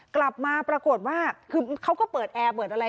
กลับมาปรากฏว่าคือเขาก็เปิดแอร์เปิดอะไร